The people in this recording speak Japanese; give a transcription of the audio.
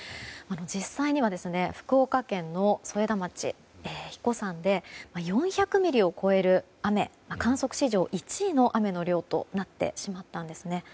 実際には福岡県の添田町英彦山で４００ミリを超える雨観測史上１位の雨の量となってしまったんですね。